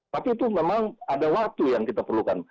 tapi itu memang ada waktu yang kita perlukan